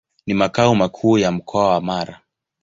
Ni makao makuu ya Mkoa wa Mara.